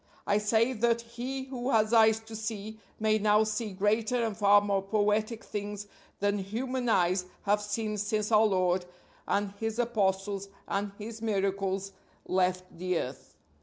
I say that he who has eyes to see may now see greater and far more poetic things than human eyes have seen since our Lord and his Apostles and his miracles left the earth.